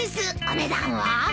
お値段は？